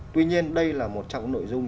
tuy nhiên đây là một trong những nội dung